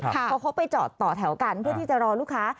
เพราะเขาไปจอดต่อแถวกันเพื่อที่จะรอลูกค้า